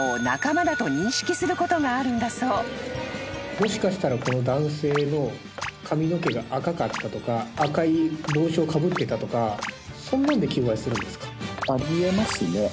もしかしたらこの男性の髪の毛が赤かったとか赤い帽子をかぶっていたとかそんなんで求愛するんですか？